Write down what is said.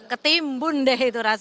ketimbun deh itu rasanya